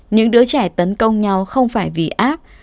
những đứa trẻ tấn công nhau không phải vì ác